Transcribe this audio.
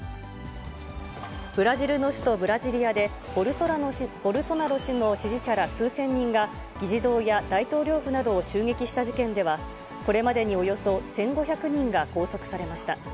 ブラジルの首都ブラジリアで、ボルソナロ氏の支持者ら数千人が、議事堂や大統領府などを襲撃した事件では、これまでにおよそ１５００人が拘束されました。